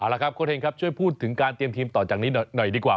เอาละครับโค้เฮงครับช่วยพูดถึงการเตรียมทีมต่อจากนี้หน่อยดีกว่า